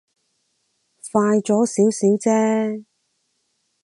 快咗少少啫